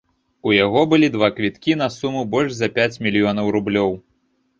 У яго былі два квіткі на суму больш за пяць мільёнаў рублёў.